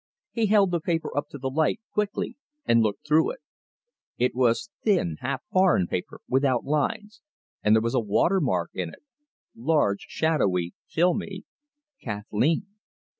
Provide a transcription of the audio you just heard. He held the paper up to the light quickly, and looked through it. It was thin, half foreign paper, without lines, and there was a water mark in it large, shadowy, filmy Kathleen.